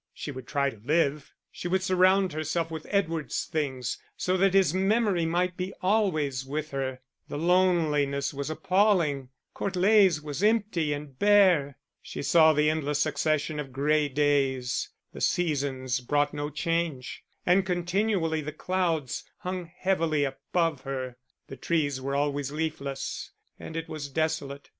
She would try to live, she would surround herself with Edward's things, so that his memory might be always with her; the loneliness was appalling. Court Leys was empty and bare. She saw the endless succession of grey days; the seasons brought no change, and continually the clouds hung heavily above her; the trees were always leafless, and it was desolate.